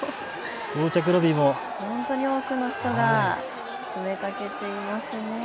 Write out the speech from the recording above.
本当に多く人が詰めかけていますね。